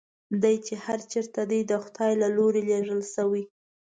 دی چې هر چېرته دی د خدای له لوري لېږل شوی.